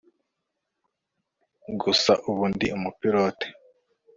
gusa ubu ndi umupirote